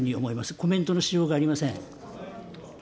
コメントのしようがありません。